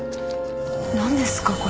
何ですか？